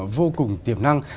vô cùng tiềm năng